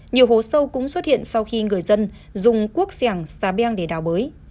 nhiều hố sâu cũng xuất hiện sau khi người dân dùng cuốc xẻng xa beng để đào bới